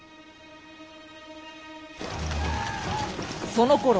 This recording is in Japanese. そのころ